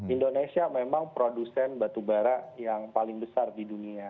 indonesia memang produsen batubara yang paling besar di dunia